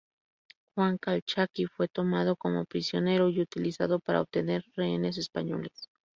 Juan Calchaquí fue tomado como prisionero, y utilizado para obtener rehenes españoles.